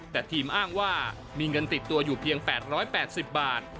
แต่ทีมอ้างว่ามีเงินติดตัวอยู่เพียง๘๘๐บาท